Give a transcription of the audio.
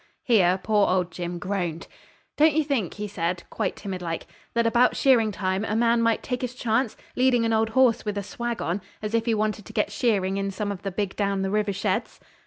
Here poor old Jim groaned. 'Don't you think,' he said, quite timid like, 'that about shearing time a man might take his chance, leading an old horse with a swag on, as if he wanted to get shearing in some of the big down the river sheds?'